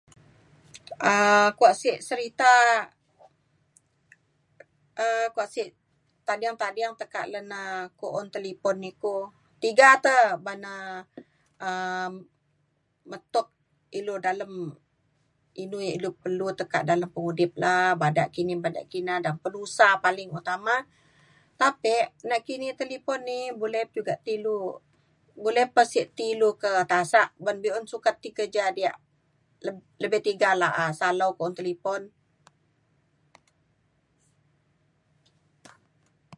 um kuak sek serita um kuak sek tading tading tekak le na ku’un talipon ni ku tiga te ban na um metop ilu dalem inu yak ilu perlu tekak dalem pengudip le bada kini bada kina dan penusa paling utama tapek nakini talipon ni boleh juga ti ilu boleh pe sek ti ilu ketasak ban be’un sukat ti kerja yak lebih tiga la’a salau un talipon